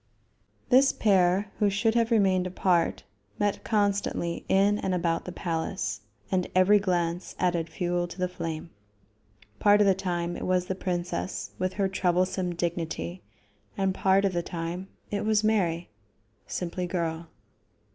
This pair, who should have remained apart, met constantly in and about the palace, and every glance added fuel to the flame. Part of the time it was the princess with her troublesome dignity, and part of the time it was Mary simply girl.